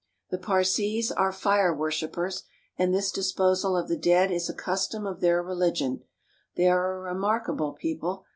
The Parsees are fire worshipers, and this disposal of the dead is a custom of their religion. They are a remarkable people.